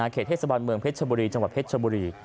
เขตเทศบาลเมืองเพชรชบุรีจังหวัดเพชรชบุรี